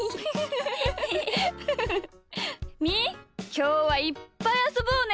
きょうはいっぱいあそぼうね。